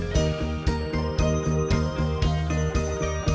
sekarang kita oke